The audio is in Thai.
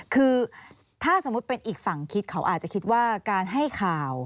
คือถ้าสมมุติเป็นอีกฝั่งคิดเขาอาจจะคิดว่าการให้ข่าว